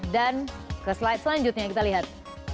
dan ke slide selanjutnya kita lihat